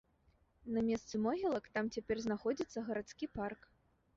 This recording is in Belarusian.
На месцы могілак там цяпер знаходзіцца гарадскі парк.